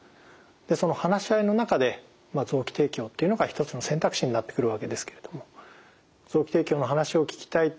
その話し合いの中で臓器提供っていうのが一つの選択肢になってくるわけですけれども臓器提供の話を聞きたい